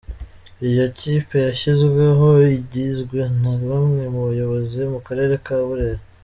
Iyo kipe yashyizweho igizwe na bamwe mu bayobozi mu Karere ka Burera.